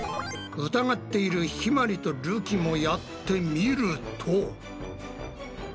疑っているひまりとるきもやってみると。